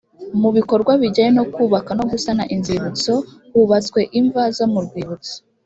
mu bikorwa bijyanye no kubaka no gusana inzibutso hubatswe imva zo mu rwibutso